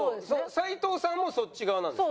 斉藤さんもそっち側なんですか？